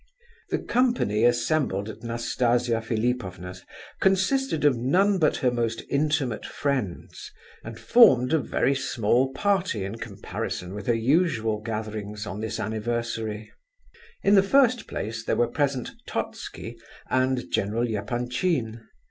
The company assembled at Nastasia Philipovna's consisted of none but her most intimate friends, and formed a very small party in comparison with her usual gatherings on this anniversary. In the first place there were present Totski, and General Epanchin.